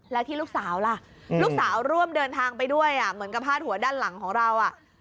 แล้วที่ลูกสาวล่ะลูกสาวร่วมเดินทางไปด้วยเหมือนกับพาดหัวด้านหลังของเรา